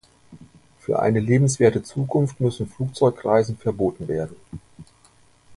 Für eine lebenswerte Zukunft müssen Flugzeugreisen verboten werden.